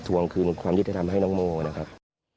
วงคืนความยุติธรรมให้น้องโมนะครับ